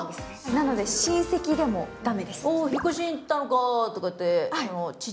なので親戚でも駄目です。